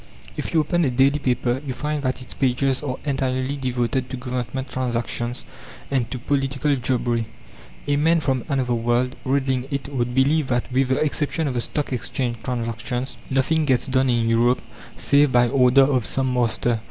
If you open a daily paper you find that its pages are entirely devoted to Government transactions and to political jobbery. A man from another world, reading it, would believe that, with the exception of the Stock Exchange transactions, nothing gets done in Europe save by order of some master.